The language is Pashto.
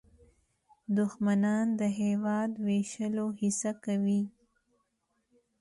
دښمنان د هېواد د ویشلو هڅه کوي